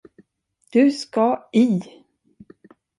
Du ska i.